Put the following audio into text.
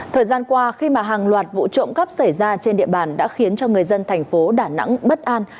thời gian qua khi mà hàng loạt vụ trộm cắp xảy ra trên địa bàn đã khiến cho người dân thành phố đà nẵng bất an